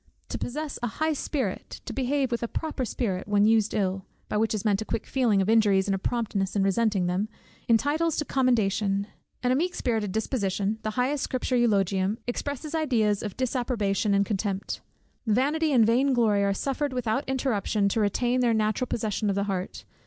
To possess a high spirit, to behave with a proper spirit when used ill, by which is meant a quick feeling of injuries, and a promptness in resenting them, entitles to commendation; and a meek spirited disposition, the highest Scripture eulogium, expresses ideas of disapprobation and contempt. Vanity and vain glory are suffered without interruption to retain their natural possession of the heart.